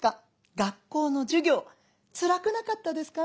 学校の授業つらくなかったですか？